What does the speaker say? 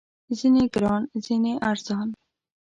ځینې ګران، ځینې ارزان